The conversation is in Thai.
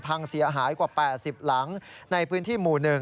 พังเสียหายกว่า๘๐หลังในพื้นที่หมู่๑